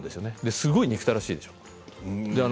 すごい憎たらしいでしょ。